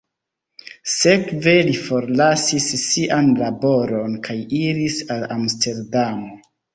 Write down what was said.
Sekve li forlasis sian laboron kaj iris al Amsterdamo.